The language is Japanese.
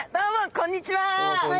こんにちは！